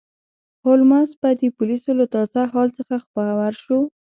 هولمز به د پولیسو له تازه حال څخه خبر شو.